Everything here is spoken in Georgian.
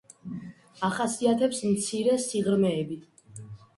ახასიათებს მცირე სიღრმეები.